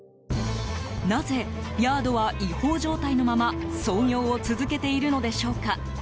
なぜ、ヤードは違法状態のまま操業を続けているのでしょうか？